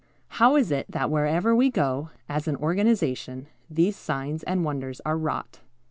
How is it that wherever we go, as an organization, these signs and wonders are wrought?